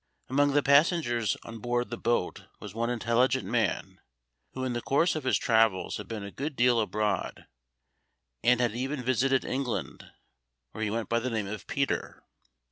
Among the passengers on board the boat was one intelligent man, who in the course of his travels had been a good deal abroad, and had even visited England, where he went by the name of Peter.